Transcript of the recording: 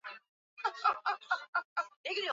za Kiholanzi na Trinidad na Tobago Venezuela